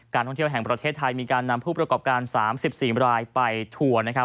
ท่องเที่ยวแห่งประเทศไทยมีการนำผู้ประกอบการ๓๔รายไปทัวร์นะครับ